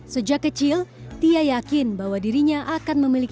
sejak kecil tia yakin bahwa dirinya akan memiliki kekuatan yang baik